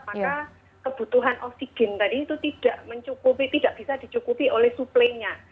maka kebutuhan oksigen tadi itu tidak mencukupi tidak bisa dicukupi oleh suplainya